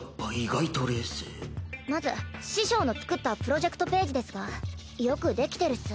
まず師匠の作ったプロジェクトページですがよく出来てるっす。